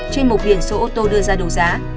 trên một biển số ô tô đưa ra đấu giá